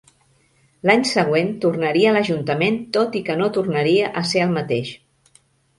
L'any següent tornaria a l'Ajuntament tot i que no tornaria a ser el mateix.